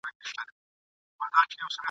درز به واچوي سينو کي !.